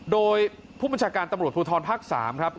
โดยผู้บัญชาการตำรวจภูทรภาค๓ครับ